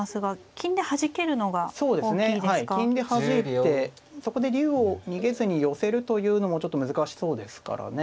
金ではじいてそこで竜を逃げずに寄せるというのもちょっと難しそうですからね。